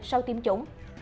sau tiêm chủng